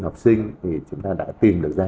học sinh thì chúng ta đã tìm được ra